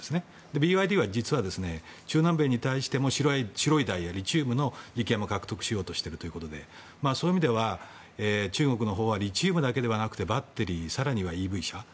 ＢＹＤは白いダイヤであるリチウムの利権を獲得しようとしているということでそういう意味では中国のほうはリチウムだけではなくてバッテリー、更にはＥＶ車。